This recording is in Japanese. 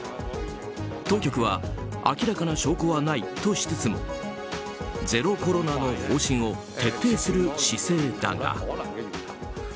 当局は明らかな証拠はないとしつつもゼロコロナの方針を徹底する姿勢だが。